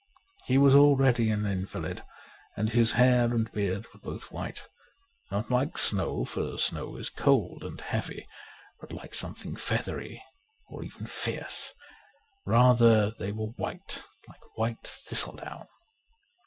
He was already an invalid, and his hair and beard were both white ; not like snow, for snow is cold and heavy, but like something feathery, or even fierce ; rather they were white like white thistle down.